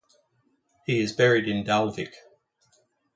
He is buried in Dalvik.